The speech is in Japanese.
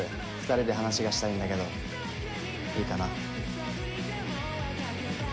２人で話がしたいんだけどいいかな？